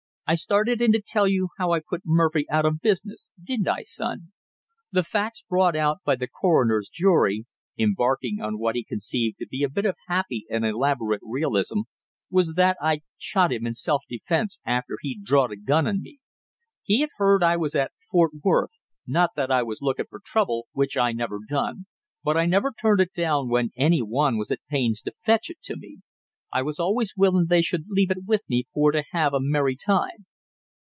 "I started in to tell you how I put Murphy out of business, didn't I, son? The facts brought out by the coroner's jury," embarking on what he conceived to be a bit of happy and elaborate realism, "was that I'd shot him in self defense after he'd drawed a gun on me. He had heard I was at Fort Worth not that I was looking for trouble, which I never done; but I never turned it down when any one was at pains to fetch it to me; I was always willing they should leave it with me for to have a merry time.